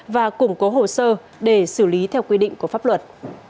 và củng cố hồ sơ để xử lý theo quy định của pháp luật